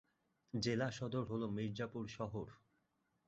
জেলা সদর হল মির্জাপুর শহর।